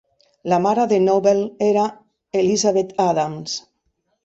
La mare de Noble era Elizabeth Adams.